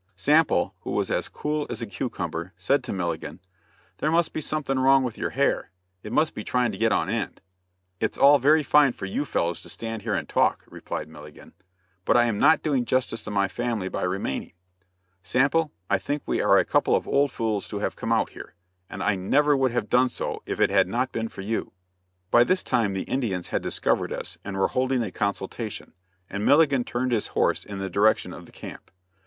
Sample, who was as cool as a cucumber, said to Milligan: "There must be something wrong with your hair. It must be trying to get on end." "It's all very fine for you fellows to stand here and talk," replied Milligan, "but I am not doing justice to my family by remaining. Sample, I think we are a couple of old fools to have come out here, and I never would have done so if it had not been for you." By this time the Indians had discovered us and were holding a consultation, and Milligan turned his horse in the direction of the camp.